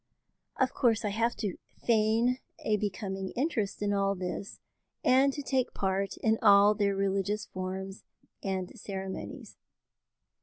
Of course I have to feign a becoming interest in all this, and to take part in all their religious forms and ceremonies.